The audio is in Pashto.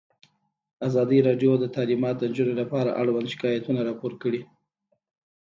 ازادي راډیو د تعلیمات د نجونو لپاره اړوند شکایتونه راپور کړي.